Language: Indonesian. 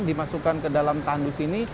dimasukkan ke dalam tandu sini